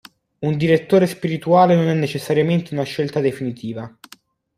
Un direttore spirituale non è necessariamente una scelta definitiva.